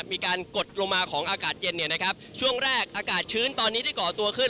มีการกดลงมาของอากาศเย็นเนี่ยนะครับช่วงแรกอากาศชื้นตอนนี้ที่ก่อตัวขึ้น